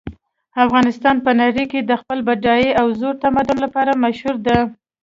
افغانستان په نړۍ کې د خپل بډایه او زوړ تمدن لپاره مشهور ده